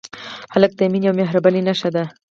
هلک د مینې او مهربانۍ نښه ده.